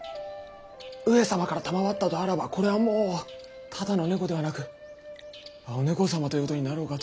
上様から賜ったとあらばこれはもうただの猫ではなく「お猫様」ということになろうかと。